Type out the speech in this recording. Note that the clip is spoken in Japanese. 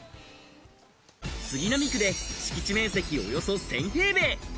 杉並区で敷地面積およそ１０００平米。